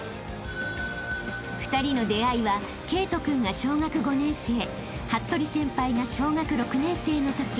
［２人の出会いは慧登君が小学５年生服部先輩が小学６年生のとき］